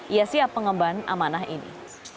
ia siap mengemban amanah ini